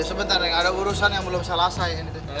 ya sebentar neng ada urusan yang belum selesai